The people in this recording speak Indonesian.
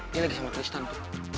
dia lagi sama tristan tuh